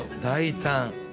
大胆！